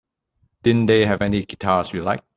Didn't they have any guitars you liked?